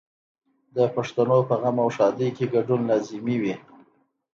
د پښتنو په غم او ښادۍ کې ګډون لازمي وي.